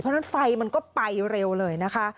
เพราะฉะนั้นไฟมันก็ไปเร็วเลยนะคะ